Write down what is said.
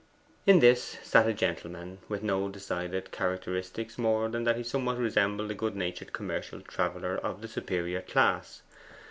In this sat a gentleman with no decided characteristics more than that he somewhat resembled a good natured commercial traveller of the superior class.